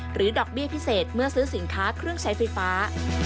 ดอกเบี้ยพิเศษเมื่อซื้อสินค้าเครื่องใช้ไฟฟ้า